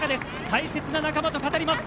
大切な仲間と語ります。